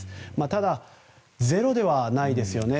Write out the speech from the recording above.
ただ、ゼロではないですよね。